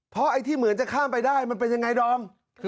เพราะไอ้ที่เหมือนจะข้ามไปได้มันเป็นยังไงดอม